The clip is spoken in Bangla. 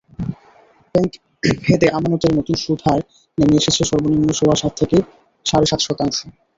ব্যাংকভেদে আমানতের নতুন সুদহার নেমে এসেছে সর্বনিম্ন সোয়া সাত থেকে সাড়ে সাত শতাংশে।